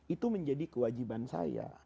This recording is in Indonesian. itu menjadi kewajiban saya